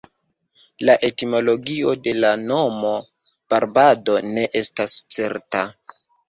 La etimologio de la nomo "Barbado" ne estas certa.